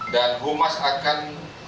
dan humas akan